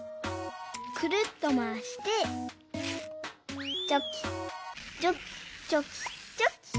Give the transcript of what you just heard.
くるっとまわしてちょきちょきちょきちょき。